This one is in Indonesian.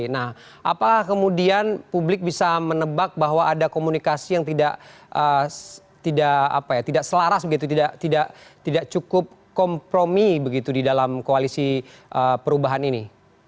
nah apa kemudian publik bisa menebak bahwa ada komunikasi yang tidak selaras begitu tidak cukup kompromi begitu di dalam koalisi perubahan ini